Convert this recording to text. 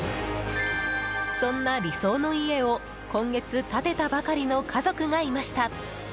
そんな理想の家を、今月建てたばかりの家族がいました。